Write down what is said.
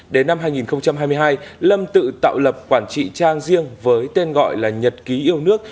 đến năm hai nghìn hai mươi hai lâm tự tạo lập quản trị trang riêng với tên gọi là nhật ký yêu nước